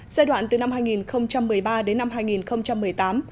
giai đoạn từ năm hai nghìn một mươi ba đến năm hai nghìn một mươi tám